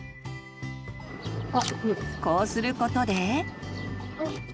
こうすることで。